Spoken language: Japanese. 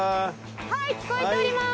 はい聞こえております！